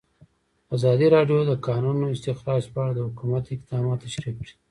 ازادي راډیو د د کانونو استخراج په اړه د حکومت اقدامات تشریح کړي.